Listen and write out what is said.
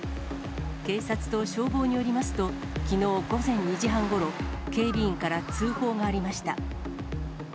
警察と消防によりますと、きのう午前２時半ごろ、警備員から通報がありました。